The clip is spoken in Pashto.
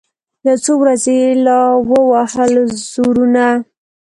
یو څو ورځي یې لا ووهل زورونه